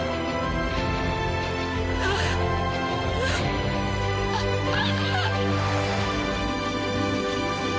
あっああ。